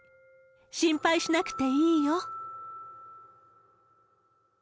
心配しなくていいよ。